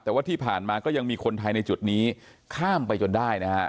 แต่ว่าที่ผ่านมาก็ยังมีคนไทยในจุดนี้ข้ามไปจนได้นะฮะ